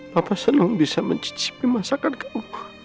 papa seneng bisa mencicipi masakan kamu